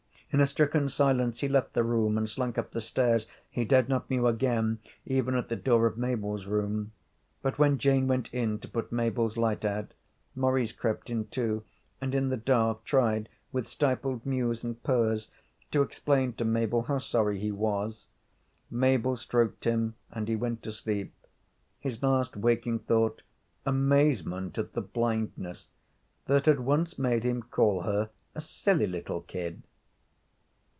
In a stricken silence he left the room and slunk up the stairs he dared not mew again, even at the door of Mabel's room. But when Jane went in to put Mabel's light out Maurice crept in too, and in the dark tried with stifled mews and purrs to explain to Mabel how sorry he was. Mabel stroked him and he went to sleep, his last waking thought amazement at the blindness that had once made him call her a silly little kid.